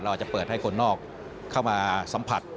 เราจะเปิดให้คนนอกเข้ามาสัมผัส